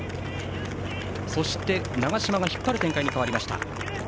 そして、長嶋が引っ張る展開に変わりました。